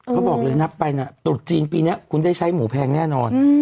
พอบอกเลยนับไปณปีเนี่ยคุณจะใช้หมูแพงแน่นอน